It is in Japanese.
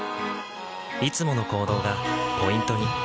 いつもの行動がポイントに。